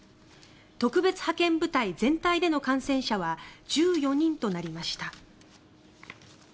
特別派遣部隊全体での感染者は１４人となりました。